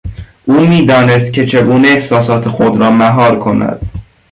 او میدانست که چگونه احساسات خود را مهار کند.